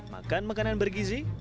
makan makanan bergizi